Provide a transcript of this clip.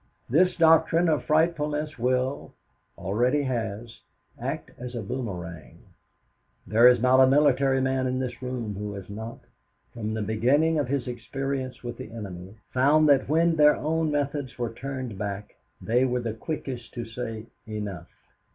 This doctrine of frightfulness will already has acted as a boomerang. There is not a military man in this room who has not, from the beginning of his experience with the enemy, found that when their own methods were turned back they were the quickest to say "Enough."